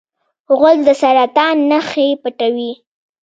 غول د سرطان نښې پټوي.